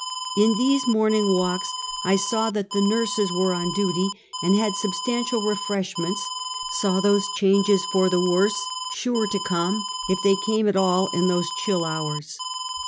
In these morning walks I saw that the nurses were on duty and had substantial refreshments, saw those changes for the worse, sure to come, if they came at all, in those chill hours.